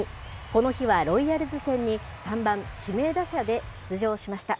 この日はロイヤルズ戦に、３番指名打者で出場しました。